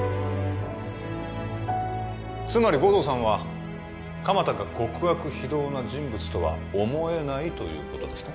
つまり護道さんは鎌田が極悪非道な人物とは思えないということですね？